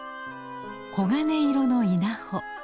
黄金色の稲穂。